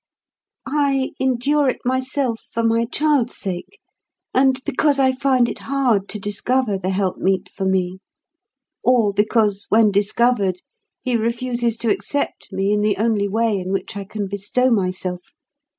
I endure it myself, for my child's sake, and because I find it hard to discover the help meet for me; or because, when discovered, he refuses to accept me in the only way in which I can bestow myself.